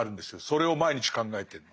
それを毎日考えてると。